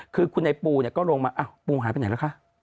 คือคุณไอ้ปูเนี่ยก็ลงมาปูหายไปไหนแล้วคะ